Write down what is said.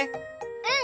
うん！